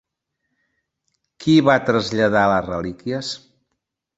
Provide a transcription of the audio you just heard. Qui va traslladar les relíquies?